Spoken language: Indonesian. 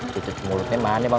cucuk mulutnya mana bang